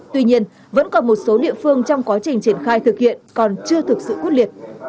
tuy nhiên vẫn còn một số địa phương trong quá trình triển khai thực hiện còn chưa thực sự quyết liệt